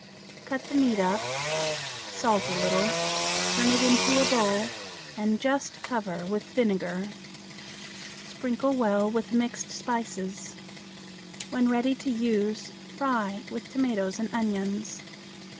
Cut the meat up, salt a little, turn it into a bowl, and just cover with vinegar. Sprinkle well with mixed spices. When ready to use, fry with tomatoes and onions.